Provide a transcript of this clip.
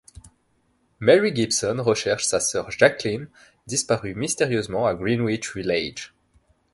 Mary Gibson recherche sa sœur Jacqueline disparue mystérieusement à Greenwich Village.